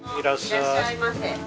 いらっしゃいませ。